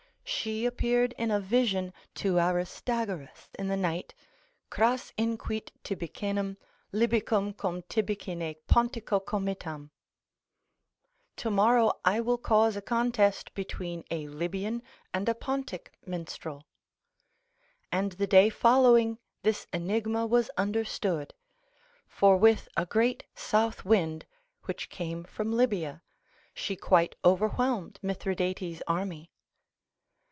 She appeared in a vision to Aristagoras in the night, Cras inquit tybicinem Lybicum cum tybicine pontico committam (tomorrow I will cause a contest between a Libyan and a Pontic minstrel), and the day following this enigma was understood; for with a great south wind which came from Libya, she quite overwhelmed Mithridates' army.